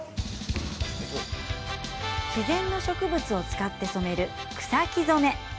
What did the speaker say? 自然な植物を使って染める草木染め。